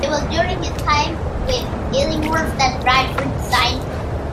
It was during his time with Illingworth that Bradford signed him.